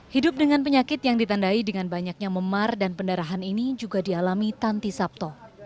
hidup dengan penyakit yang ditandai dengan banyaknya memar dan pendarahan ini juga dialami tanti sabto